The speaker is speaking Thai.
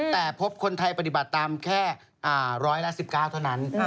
แต่พบคนไทยปฏิบัติตามแค่ร้อยละ๑๙เท่านั้น